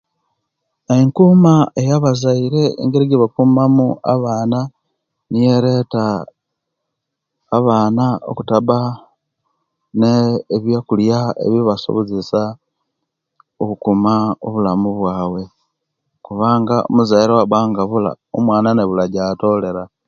Enkuma eya abazaire engeri ejebakuma abaana niyo ereta abaana okutaba ne ebyo kulya ebibasobozesa okuma obulamu bwaibwe kubanga omuzaire owaba nga abula omwana yena aba abula ejatolera